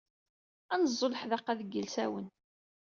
Ad neẓẓu leḥdaqa deg yilsawen.